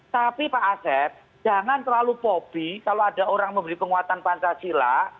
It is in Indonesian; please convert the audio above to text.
tapi pak asep jangan terlalu pobi kalau ada orang memberi penguatan pancasila